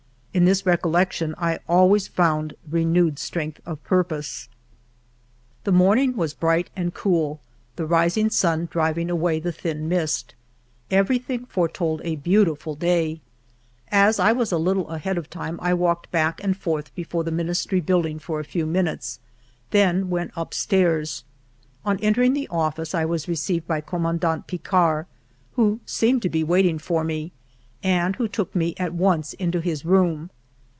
In this recollection I always found renewed strength of purpose. The morning was bright and cool, the rising sun driving away the thin mist; everything fore told a beautiful day. As I was a little ahead of time, I walked back and forth before the Minis try Building for a few minutes, then went up ALFRED DREYFUS 7 stairs. On entering the office I was received by Commandant Picquart, who seemed to be wait ing for me, and who took me at once into his room.